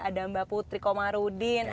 ada mbak putri komarudin